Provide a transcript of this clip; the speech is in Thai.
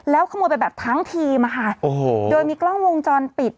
แล้วขโมยไปแบบทั้งทีมโดยมีกล้องวงจรปิด